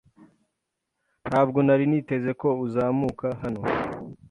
Ntabwo nari niteze ko uzamuka hano.